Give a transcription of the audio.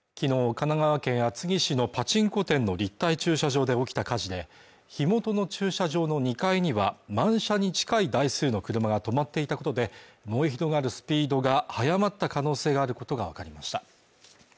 神奈川県厚木市のパチンコ店の立体駐車場で起きた火事で火元の駐車場の２階には満車に近い台数の車が止まっていたことで燃え広がるスピードが早まった可能性があることが分かりました